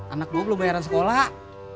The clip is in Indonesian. anak gue belum bayaran sekolah